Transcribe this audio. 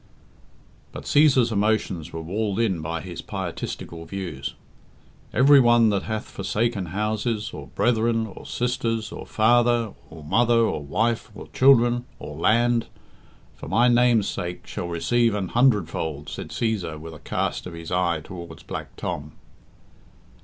But Cæsar's emotions were walled in by his pietistical views. "Every one that hath forsaken houses, or brethren, or sisters, or father, or mother, or wife, or children, or land, for My name's sake, shall receive an hundredfold," said Cæsar, with a cast of his eye towards Black Tom.